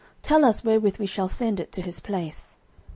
tell us wherewith we shall send it to his place.